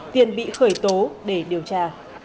tiền bị khởi tố để điều tra